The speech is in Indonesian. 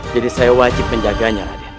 jadi saya wajib menjaganya raden